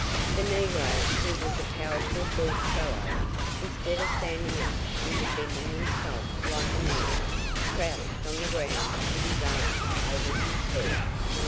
The negro, who was a powerfully built fellow, instead of standing up and defending himself like a man, crouched on the ground with his arms over his head.